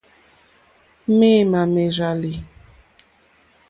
Méémà mèrzàlì.